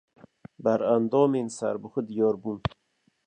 Berendamên serbixwe diyar bûn